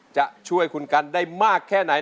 จะช่วยคุณกันได้มากแค่ไหน